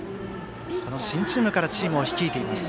新チームからチームを率いています。